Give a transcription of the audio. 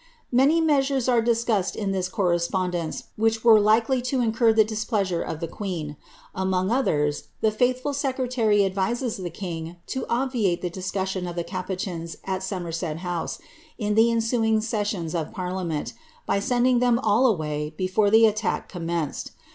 Many measures are discussed in this correspondence, which w£re likely to incur the displeasure of the queen. Among others, the faithful secretary advises the king to obviate the discussion o( the capucins at Somerset House, in the ensaiof sessions of parliament, by sending them all away before the attack cooh menced.